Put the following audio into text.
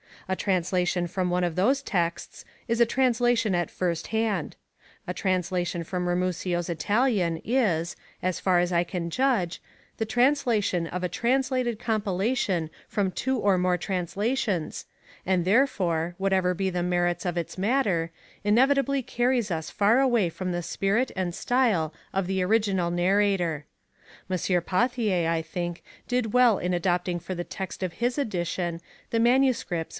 A translation from one of those texts is a translation at first hand ; a trans lation from Ramusio's Italian is, as far as I can judge, the translation of a translated compilation from two or more translations, and therefore, whatever be the merits of its matter, inevitably carries us far away from the spirit and style of the original narrator. M. Pauthier, I think, did well in adopting for the text of his edition the MSS.